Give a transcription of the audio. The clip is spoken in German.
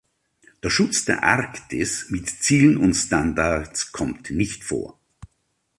Der Schutz der Arktis mit Zielen und Standards kommt nicht vor.